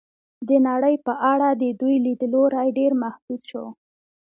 د نړۍ په اړه د دوی لید لوری ډېر محدود شو.